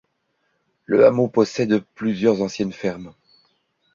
Le hameau possède plusieurs anciennes fermes.